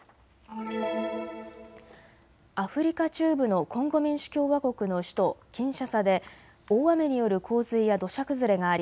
アフリカ中部のコンゴ民主共和国の首都キンシャサで大雨による洪水や土砂崩れがあり